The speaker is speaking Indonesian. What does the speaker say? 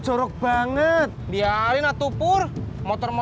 yang panggil itu sudah beli publiknya